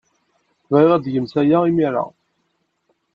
Bɣiɣ ad tgemt aya imir-a.